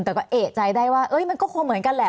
แต่ก็เอกใจได้ว่ามันก็คงเหมือนกันแหละ